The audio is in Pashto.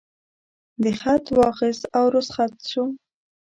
ده خط واخیست او رخصت شو.